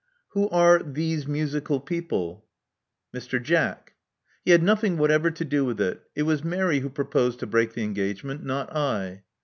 Who are * these musical people*?" Mr. Jack." He had nothing whatever to do with it. It was Mary who proposed to break the engagement: not I."